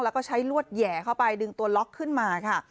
แล้วก็ใช้ลวดแห่เข้าไปดึงตัวล็อกขึ้นมาค่ะ